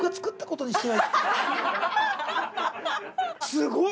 ◆すごい。